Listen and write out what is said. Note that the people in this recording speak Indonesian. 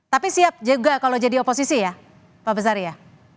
tapi siap juga kalau jadi oposisi ya pak besar ya